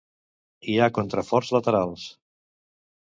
Hi ha contraforts laterals.